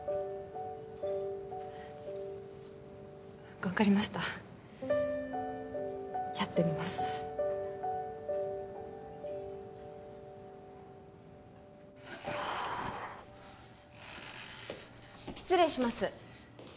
分かりましたやってみます失礼します